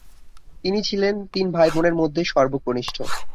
তিনি ছিলেন তিন ভাইবোনের মধ্যে সর্বকনিষ্ঠ।